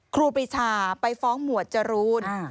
ครูปีชาไปฟ้องหมวดจรูน